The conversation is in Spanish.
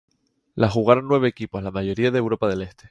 La jugaron nueve equipos, la mayoría de Europa del Este.